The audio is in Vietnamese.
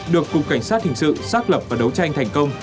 được cục cảnh sát hình sự xác lập và đấu tranh thành công